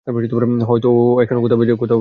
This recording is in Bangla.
হয়তো ও এখনও কোথাও বেঁচে আছে!